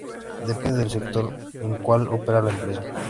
Depende del sector en cuál opera la empresa.